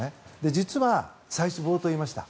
実は最初、冒頭に言いました。